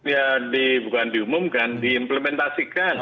ya bukan diumumkan diimplementasikan